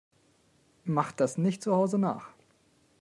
Macht das nicht zu Hause nach!